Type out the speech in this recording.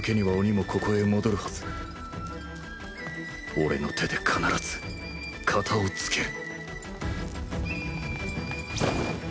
俺の手で必ず片を付ける